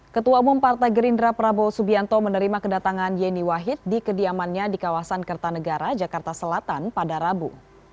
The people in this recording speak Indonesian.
ketua umum partai gerindra prabowo subianto menerima kedatangan yeni wahid di kediamannya di kawasan kertanegara jakarta selatan pada rabu